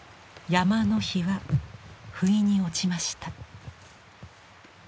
山の日はふいに落ちました。